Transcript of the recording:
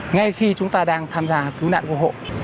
ngay khi chúng ta đang tham gia cứu nạn cứu hộ